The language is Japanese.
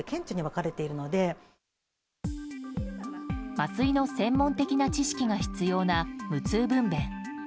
麻酔の専門的な知識が必要な無痛分娩。